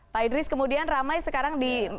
pak idris kemudian ramai sekarang di